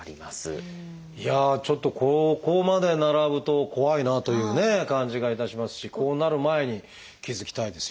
いやあちょっとここまで並ぶと怖いなという感じがいたしますしこうなる前に気付きたいですよね。